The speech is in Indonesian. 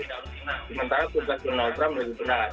sementara tugas donald trump lebih benar